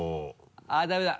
あっダメだ！